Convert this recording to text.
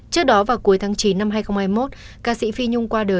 trước đó vào cuối tháng chín năm hai nghìn hai mươi một